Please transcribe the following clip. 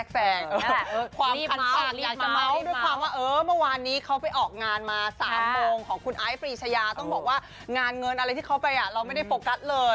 ความขัดอยากจะเมาส์ด้วยความว่าเมื่อวานนี้เขาไปออกงานมา๓โมงของคุณไอซ์ปรีชายาต้องบอกว่างานเงินอะไรที่เขาไปเราไม่ได้โฟกัสเลย